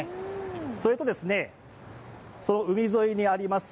それと、その海沿いにあります